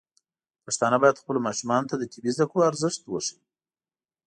پښتانه بايد خپلو ماشومانو ته د طبي زده کړو ارزښت وښيي.